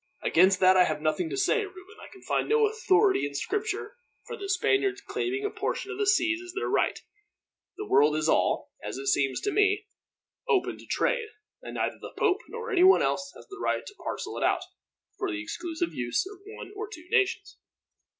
"Against that I have nothing to say, Reuben. I can find no authority, in Scripture, for the Spaniards claiming a portion of the seas as their right. The world is all, as it seems to me, open to trade, and neither the pope nor anyone else has a right to parcel it out, for the exclusive use of one or two nations.